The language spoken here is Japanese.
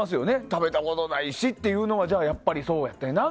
食べたことないしっていうのはやっぱりそうやってんな。